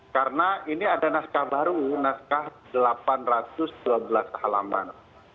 karena ini ada naskah baru naskah delapan ratus dua belas halaman